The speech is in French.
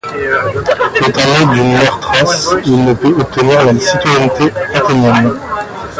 Étant né d'une mère thrace, il ne peut obtenir la citoyenneté athénienne.